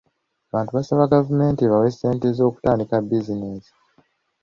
Abantu basaba gavumenti ebawe ssente z'okutandika bizinensi.